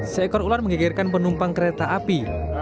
seekor ular menggegerkan penumpang kereta api